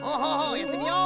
やってみよう！